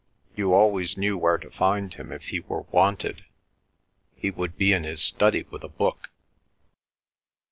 You always knew where to find him if he were wanted; he would be in his study with a book.